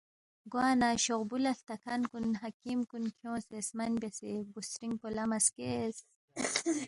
گوانہ شوقبُو لہ ہلتاکھن کُن حکیم کُن کھیونگسے سمن بیاس، بُوسترِنگ پو لہ مہ سکیس